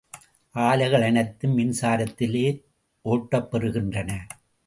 ஆலைகள் அனைத்தும் மின்சாரத்திலே ஓட்டப் பெறுகின்றன.